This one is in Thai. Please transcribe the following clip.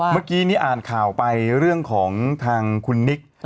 เมื่อกี้นี้อ่านข่าวไปเรื่องของทางคุณนิก